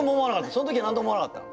そのとき何とも思わなかったの？